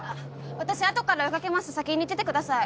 私後から追い掛けます先に行っててください。